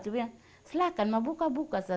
dia bilang silakan mau buka buka saja